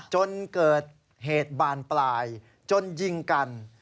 จนเกิดเหตุบานปลายจนยิงกัน